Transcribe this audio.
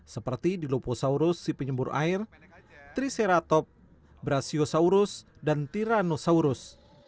seperti diloposaurus si penyembur air triceratops brachiosaurus dan tyrannosaurus